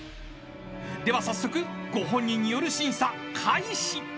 ［では早速ご本人による審査開始］